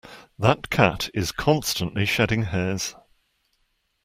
That cat is constantly shedding hairs.